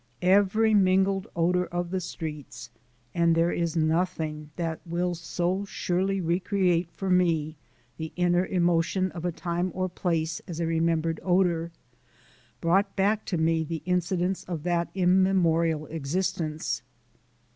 Every mingled odour of the streets and there is nothing that will so surely re create (for me) the inner emotion of a time or place as a remembered odour brought back to me the incidents of that immemorial existence.